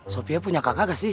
sofia punya kakak gak sih